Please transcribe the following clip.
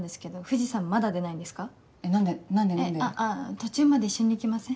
途中まで一緒に行きません？